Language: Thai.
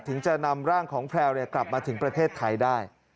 ถึงจะนำร่างของแพลวกลับมาถึงประเทศไทยได้